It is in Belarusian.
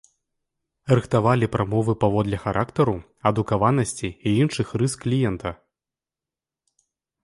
Рыхтавалі прамовы паводле характару, адукаванасці і іншых рыс кліента.